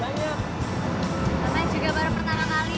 karena juga baru pertama kali